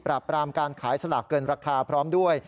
ปรามการขายสลากเกินราคาพร้อมด้วย